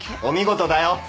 お見事だよ。